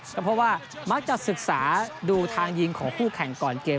ก็เพราะว่ามักจะศึกษาดูทางยิงของคู่แข่งก่อนเกม